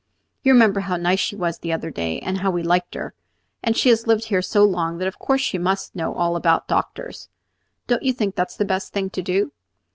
"You remember how nice she was the other day, and how we liked her; and she has lived here so long that of course she must know all about the doctors. Don't you think that is the best thing to do!"